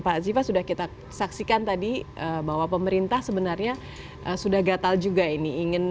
pak ziva sudah kita saksikan tadi bahwa pemerintah sebenarnya sudah gatal juga ini